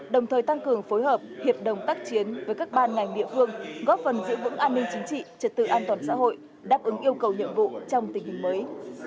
đồng thời tăng cường phối hợp hiệp đồng tác chiến với các ban ngành địa phương góp phần giữ vững an ninh chính trị trật tự an toàn xã hội đáp ứng yêu cầu nhiệm vụ trong tình hình mới